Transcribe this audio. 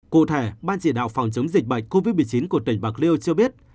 cụ thể ban chỉ đạo phòng chống dịch bệnh covid một mươi chín của tỉnh bạc liêu cho biết